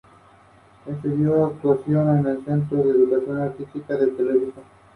Confirmando una salida submarina Emma, Rikki convencieron a Cleo de que escapara con ellas.